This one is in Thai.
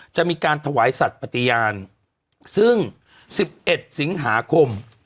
จะมีการถวายสัตว์ปฏิญาณซึ่ง๑๑สิงหาคม